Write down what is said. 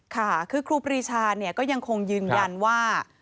ค่ะคือครูปรีชาก็ยังคงยืนยันว่า